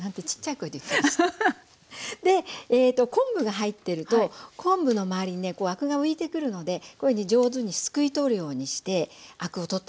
で昆布が入ってると昆布の周りにアクが浮いてくるので上手にすくい取るようにしてアクを取ったらいいですよ。